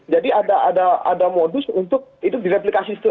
jadi ada modus untuk direplikasi